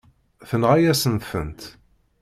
Tenɣa-yasen-tent.